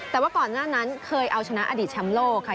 แต่ว่าก่อนหน้านั้นเคยเอาชนะอดีตแชมป์โลกค่ะ